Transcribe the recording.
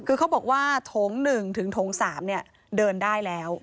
คือเขาบอกว่าโถง๑ถึงโถง๓เดินได้แล้ว